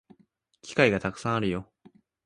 機会がたくさんあるよ